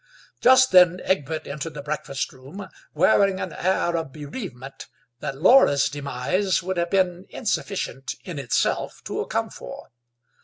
Just then Egbert entered the breakfast room, wearing an air of bereavement that Laura's demise would have been insufficient, in itself, to account for.